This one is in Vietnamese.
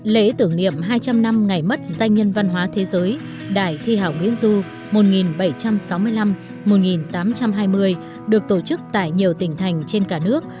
lễ tưởng niệm hai trăm linh năm ngày mất danh nhân văn hóa thế giới đại thi hảo nguyễn du một nghìn bảy trăm sáu mươi năm một nghìn tám trăm hai mươi được tổ chức tại nhiều tỉnh thành trên cả nước